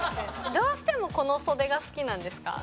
どうしてもこの袖が好きなんですか？